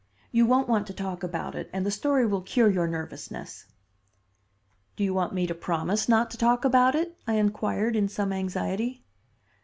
You won't want to talk about it and the story will cure your nervousness." "Do you want me to promise not to talk about it?" I inquired in some anxiety.